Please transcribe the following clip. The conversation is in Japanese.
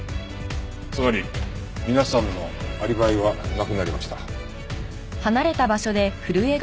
つまり皆さんのアリバイはなくなりました。